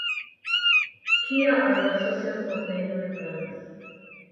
Here are the sources of many rivers.